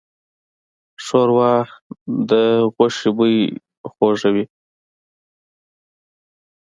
ښوروا د غوښې بوی خوږوي.